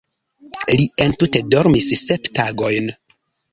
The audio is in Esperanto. Li entute dormis sep tagojn.